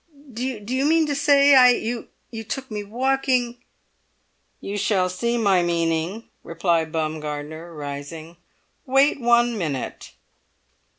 "Do you mean to say I—you took me—walking——?" "You shall see my meaning," replied Baumgartner, rising. "Wait one minute."